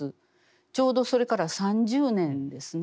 ちょうどそれから３０年ですね